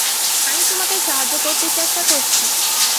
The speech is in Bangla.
আমি তোমাকে সাহায্য করতে চেষ্টা করছি।